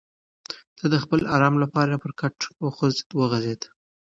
هغه د خپل ارام لپاره پر کټ اوږد وغځېد.